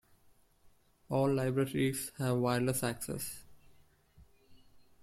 All libraries have wireless access.